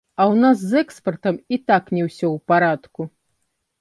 А ў нас з экспартам і так не ўсё ў парадку.